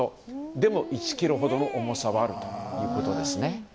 でも、１ｋｇほどの重さはあるということです。